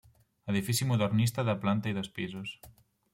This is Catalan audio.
Edifici modernista de planta i dos pisos.